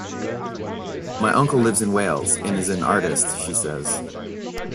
"My uncle lives in Wales and is an artist", she says.